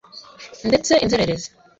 ndetse inzererezi